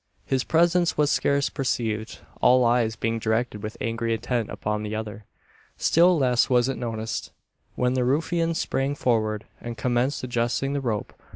His presence was scarce perceived all eyes being directed with angry intent upon the other. Still less was it noticed, when the ruffians sprang forward, and commenced adjusting the rope.